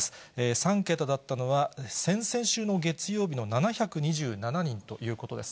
３桁だったのは、先々週の月曜日の７２７人ということです。